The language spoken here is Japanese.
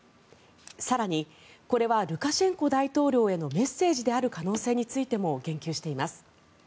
更に、これはルカシェンコ大統領へのメッセージである可能性についても言及しています。